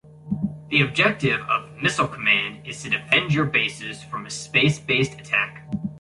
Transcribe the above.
The objective of "Missile Command" is to defend your bases from a space-based attack.